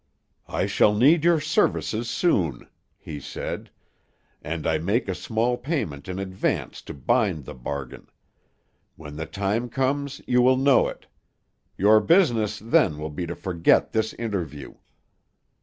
"I shall need your services soon," he said, "and I make a small payment in advance to bind the bargain. When the time comes you will know it. Your business then will be to forget this interview.